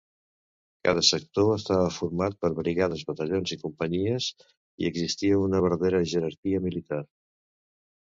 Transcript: Cada sector estava format per brigades, batallons i companyies i existia una vertadera jerarquia militar.